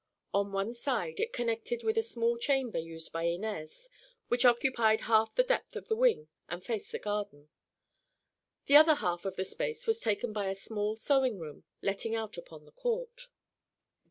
On one side it connected with a small chamber used by Inez, which occupied half the depth of the wing and faced the garden. The other half of the space was taken by a small sewing room letting out upon the court.